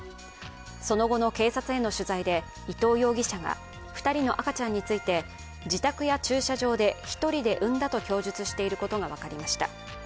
その後の警察への取材で伊藤容疑者が２人の赤ちゃんについて、自宅や駐車場で１人で産んだと供述していることが分かりました。